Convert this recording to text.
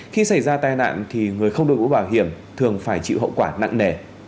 khi xảy ra tai nạn thì người không đội mũ bảo hiểm thường phải chịu hậu quả nặng nề